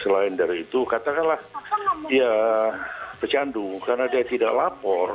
selain dari itu katakanlah dia pecandu karena dia tidak lapor